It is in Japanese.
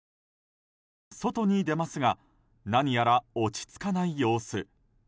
外に出ますが何やら落ち着かない様子。